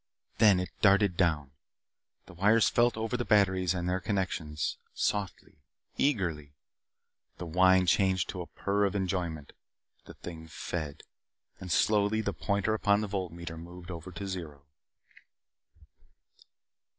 Then it darted down. The wires felt over the batteries and their connections softly eagerly. The whine changed to a purr of enjoyment. The thing fed. And slowly the pointer upon the volt meter moved over to zero.